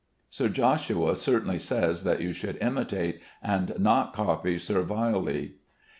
Sir Joshua certainly says that you should "imitate," and not copy servilely.